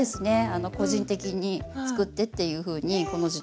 個人的に「作って」っていうふうにこの時代は言われました。